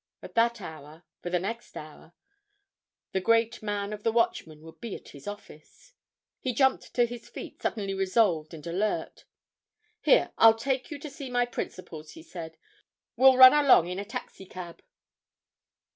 At that hour—for the next hour—the great man of the Watchman would be at the office. He jumped to his feet, suddenly resolved and alert. "Here, I'll take you to see my principals," he said. "We'll run along in a taxi cab."